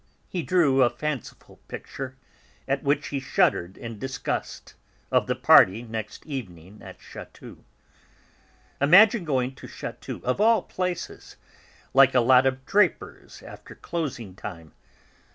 He drew a fanciful picture, at which he shuddered in disgust, of the party next evening at Chatou. "Imagine going to Chatou, of all places! Like a lot of drapers after closing time!